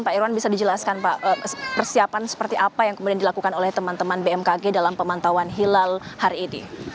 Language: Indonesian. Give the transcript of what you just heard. pak irwan bisa dijelaskan pak persiapan seperti apa yang kemudian dilakukan oleh teman teman bmkg dalam pemantauan hilal hari ini